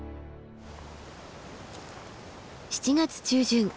７月中旬